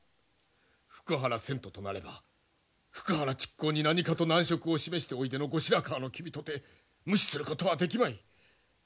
福原遷都となれば福原築港に何かと難色を示しておいでの後白河の君とて無視することはできまい。